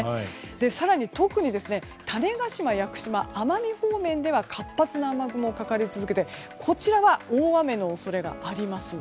更に特に、種子島や屋久島奄美方面では活発な雨雲がかかり続けてこちらは大雨の恐れがあります。